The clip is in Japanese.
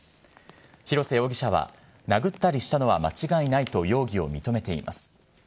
広瀬容疑者は、殴ったりしたのは間違いないと容疑を認めています。